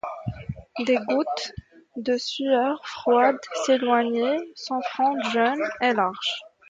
Des gouttes de sueur froide sillonnaient son front jaune et large.